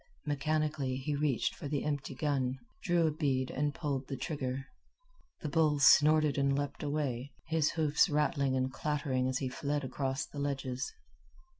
Mechanically he reached for the empty gun, drew a bead, and pulled the trigger. The bull snorted and leaped away, his hoofs rattling and clattering as he fled across the ledges.